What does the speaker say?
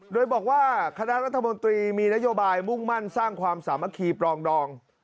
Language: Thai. โดยบอกว่าคณะรัฐมนตรีมีนโยบายมุ่งมั่นสร้างความสามัคคีปรองดอง